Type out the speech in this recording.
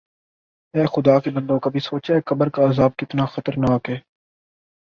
اے خدا کے بندوں کبھی سوچا ہے قبر کا عذاب کتنا خطرناک ہے